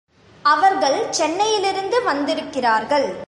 அவர்கள் சென்னையிலிருந்து வந்திருக்கிறார்கள்.